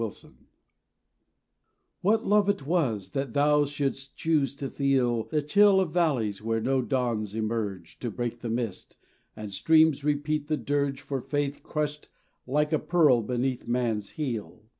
XLII ATONEMENT WHAT love it was that Thou shouldst choose to feel The chill of valleys where no dawns emerge To break the mist, and streams repeat the dirge For faith crushed like a pearl beneath man's heel.